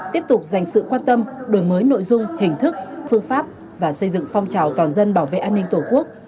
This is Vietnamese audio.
tiếp tục dành sự quan tâm đổi mới nội dung hình thức phương pháp và xây dựng phong trào toàn dân bảo vệ an ninh tổ quốc